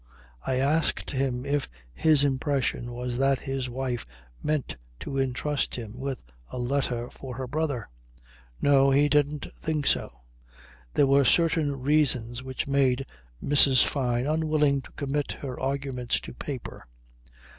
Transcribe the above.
I asked him if his impression was that his wife meant to entrust him with a letter for her brother? No. He didn't think so. There were certain reasons which made Mrs. Fyne unwilling to commit her arguments to paper.